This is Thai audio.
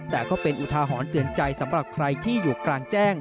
แต่ก็เป็นอุทาหรณ์เตือนใจสำหรับใครที่อยู่กลางแจ้ง